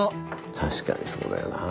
確かにそうだよなあ。